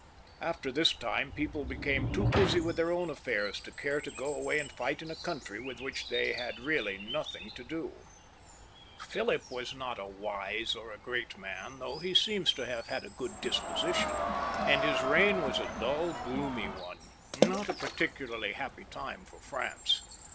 After this time people became too busy with their own affairs to care to go away and fight in a country with which they had really nothing to do. Philip was not a wise or a great man, though he seems to have had a good disposition, and his reign was a dull, gloomy one — not a particularly happy time for France.